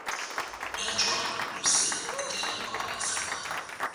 Mehatxua luzea eta iraunkorra izango da.